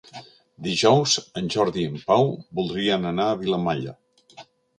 Dijous en Jordi i en Pau voldrien anar a Vilamalla.